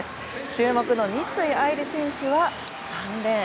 注目の三井愛梨選手は３レーン。